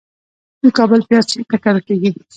د کابل پیاز چیرته کرل کیږي؟